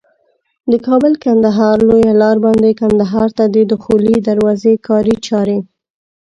د کابل کندهار لویه لار باندي کندهار ته د دخولي دروازي کاري چاري